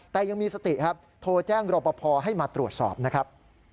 แต่ยังมีสติครับโทรแจ้งรอปภให้มาตรวจสอบนะครับ